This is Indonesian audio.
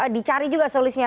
dicari juga solusinya